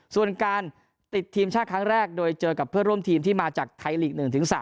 ส่วนการติดทีมชาติครั้งแรกโดยเจอกับเพื่อนร่วมทีมที่มาจากไทยลีก๑๓